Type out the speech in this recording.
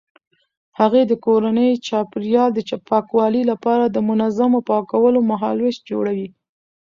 هغې د کورني چاپیریال د پاکوالي لپاره د منظمو پاکولو مهالویش جوړوي.